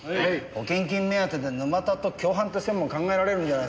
保険金目当てで沼田と共犯って線も考えられるんじゃないですかね。